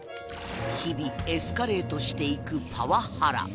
日々エスカレートしていくパワハラ